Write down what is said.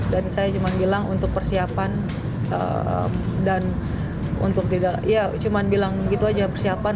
dan saya cuma bilang untuk persiapan dan untuk tidak ya cuma bilang gitu aja persiapan